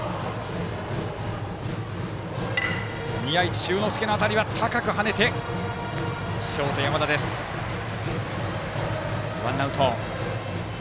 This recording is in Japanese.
宮一柊之介の当たりは高く跳ねて、ショート山田がとってワンアウト。